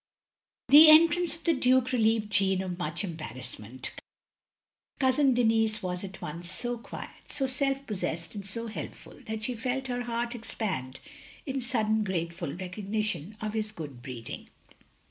The entrance of the Duke relieved Jeanne of much embarrassment. Cousin Denis was at once so quiet, so self possessed and so helpful, that she felt her heart expand in sudden grateful recognition of his good breeding.